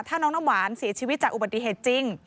ถ้าน้องน้ำหวานเสียชีวิตจากอุบัติเหตุจริง